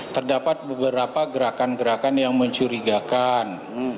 terdapat beberapa gerakan gerakan yang mencurigakan